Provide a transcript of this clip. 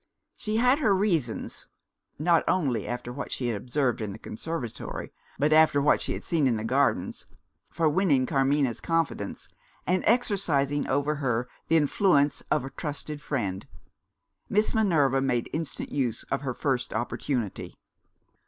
She had her reasons not only after what she had overheard in the conservatory, but after what she had seen in the Gardens for winning Carmina's confidence, and exercising over her the influence of a trusted friend. Miss Minerva made instant use of her first opportunity.